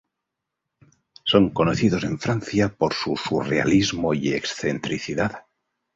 Son conocidos en Francia por su surrealismo y excentricidad.